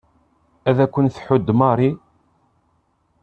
Ad kent-tḥudd Mary.